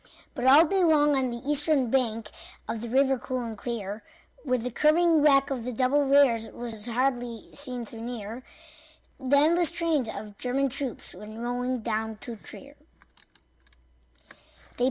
But all day long on the eastern bank Of the river cool and clear, Where the curving track of the double rails Was hardly seen though near, The endless trains of German troops Went rolling down to Trier.